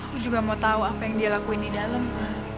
aku juga mau tahu apa yang dia lakuin di dalam